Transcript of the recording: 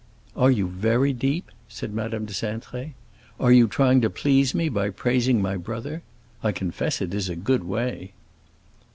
"Are you very deep?" said Madame de Cintré. "Are you trying to please me by praising my brother? I confess it is a good way."